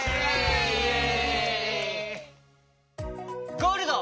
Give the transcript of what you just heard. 「ゴールド」！